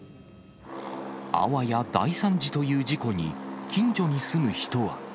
あわや大惨事という事故に、近所に住む人は。